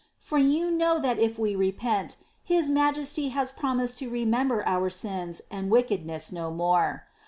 for you know that if we repent, His Majesty has promised to remember our sins and wickedness no more.